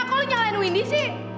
kok lo nyalain windy sih